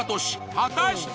果たして！？